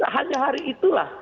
hanya hari itulah